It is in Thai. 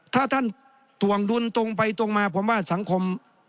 ถ้าท่านถวงดุลตรงไปตรงมาผมว่าสังคม